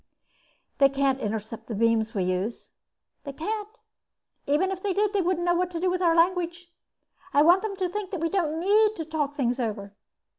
"They can't intercept the beams we use." "They can't, and even if they did they wouldn't know what to do with our language. I want them to think that we don't need to talk things over."